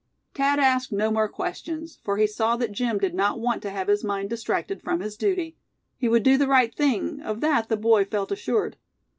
Thad asked no more questions, for he saw that Jim did not want to have his mind distracted from his duty. He would do the right thing, of that the boy felt assured.